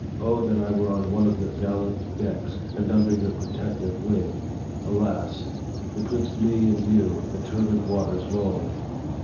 O, that I were on one of your gallant decks, and under your protecting wing ! Alas ! betwixt me and you, the turbid waters roll.